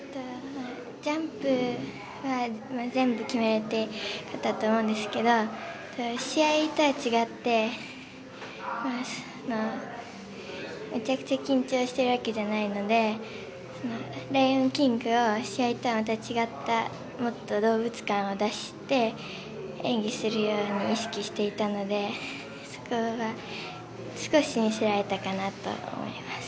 ジャンプは全部決めてよかったと思うんですけど試合とは違って、むちゃくちゃ緊張しているわけじゃないので「ライオンキング」を試合とはまた違ったもっと動物感を出して演技をするように意識していたので、そこは少し見せられたかなと思います。